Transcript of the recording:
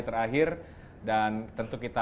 terakhir dan tentu kita